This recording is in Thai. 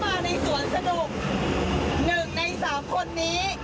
มาในสวนสนุกหนึ่งในสามคนนี้